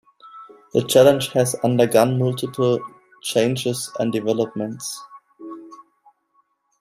The challenge has undergone multiple changes and developments.